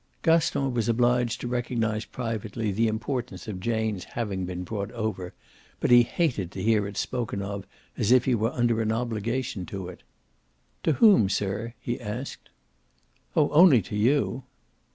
Gaston was obliged to recognise privately the importance of Jane's having been brought over, but he hated to hear it spoken of as if he were under an obligation to it. "To whom, sir?" he asked. "Oh only to you."